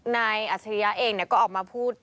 นายอาธิริยะเองเนี่ยก็ออกมาพูด